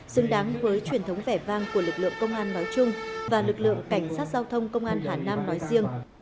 xứng đáng với truyền thống vẻ vang của lực lượng công an nói chung và lực lượng cảnh sát giao thông công an hà nam nói riêng